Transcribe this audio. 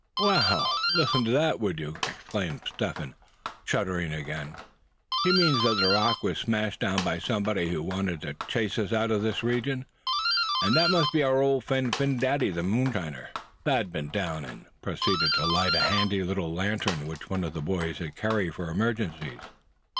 "Wow! listen to that, would you?" exclaimed Step Hen, shuddering again. "He means that the rock was smashed down by somebody who wanted to chase us out of this region. And that must be our old friend, Phin Dady, the moonshiner!" Thad bent down, and proceeded to light a handy little lantern which one of the boys had carried for emergencies.